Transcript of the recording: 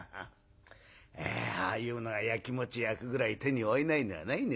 ああいうのがやきもちやくぐらい手に負えないのはないよ